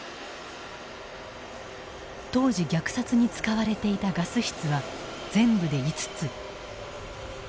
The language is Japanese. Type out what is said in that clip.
当時虐殺に使われていたガス室は全部で５つ。